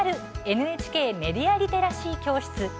ＮＨＫメディア・リテラシー教室。